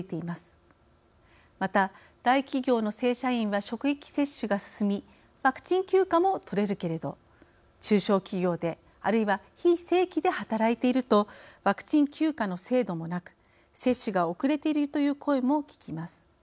また大企業の正社員は職域接種が進みワクチン休暇もとれるけれど中小企業であるいは非正規で働いているとワクチン休暇の制度もなく接種が遅れているという声も聞きます。